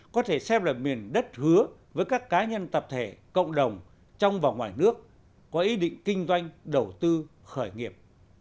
có thể xem là miền đất hứa với các cá nhân tập thể cộng đồng trong và ngoài nước có ý định kinh doanh đầu tư khởi nghiệp